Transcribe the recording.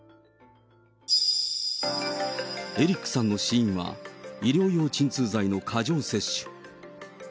エリックさんの死因は、医療用鎮痛剤の過剰摂取。